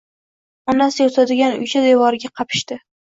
Onasi yotadigan uycha devoriga qapishdi.